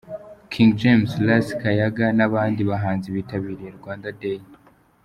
King James, Ras Kayaga n'abandi bahanzi bitabiriye Rwanda Day.